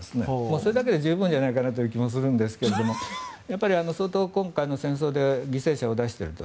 それだけで十分じゃないかなという気もするんですけどやっぱり相当、今回の戦争で犠牲者を出していると。